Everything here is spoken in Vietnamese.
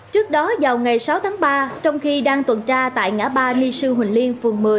trước đó vào ngày sáu tháng ba trong khi đang tuần tra tại ngã ba nhi sư huỳnh